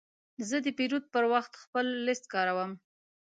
زه د پیرود پر وخت خپل لیست کاروم.